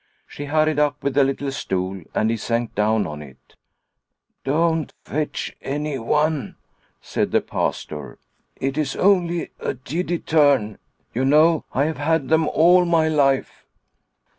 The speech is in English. She hurried up with the little stool, and he sank down on it. 86 Liliecrona's Home " Don't fetch anyone," said the Pastor ;" it is only a giddy turn ; you know I have had them all my life."